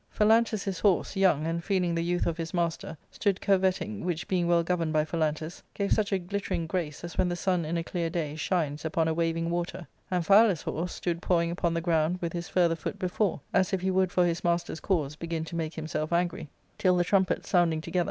Phalantus his horse, young, and feeling" the youth of his master, stood curveting, which being well governed by Phalantus, gave such a glittering grace as when the sun in a clear day shines upon a waving water ; Amphi alus' horse stood pawing upon the ground with his fiirther foot before, as if he would for his master's cause begin to make himself angry ; till the trumpets sounding together.